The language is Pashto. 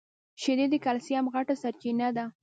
شیدې د کلیسم غټه سرچینه ده.